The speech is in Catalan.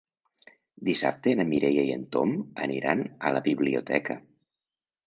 Dissabte na Mireia i en Tom aniran a la biblioteca.